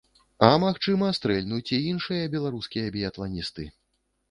А, магчыма, стрэльнуць і іншыя беларускія біятланісты.